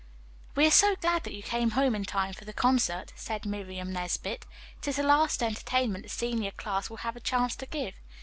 "We are so glad that you came home in time for the concert," said Miriam Nesbit. "It is the last entertainment the senior class will have a chance to give.